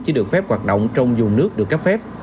chỉ được phép hoạt động trong dùng nước được cấp phép